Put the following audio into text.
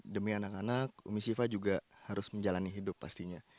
demi anak anak umi siva juga harus menjalani hidup pastinya